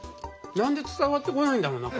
何で伝わってこないんだろうな？